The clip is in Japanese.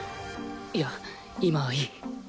いや今はいい